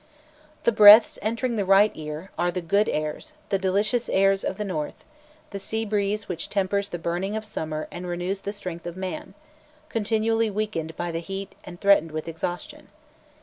The "breaths" entering by the right ear, are "the good airs, the delicious airs of the north;" the sea breeze which tempers the burning of summer and renews the strength of man, continually weakened by the heat and threatened with exhaustion.